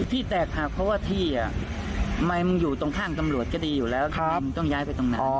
ที่แตกหักเพราะว่าที่มึงอยู่ตรงข้างตำรวจก็ดีอยู่แล้วมึงต้องย้ายไปตรงนั้น